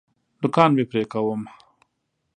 نوکان مي پرې کوم .